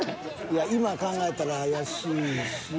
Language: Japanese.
いや今考えたら怪しいし。